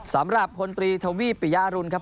สำหรับคนพลีทโทำวี่ปยารุ้นครับ